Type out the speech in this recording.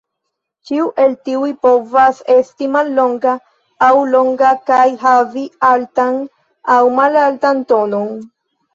Ĉiu el tiuj povas esti mallonga aŭ longa kaj havi altan aŭ malaltan tonon.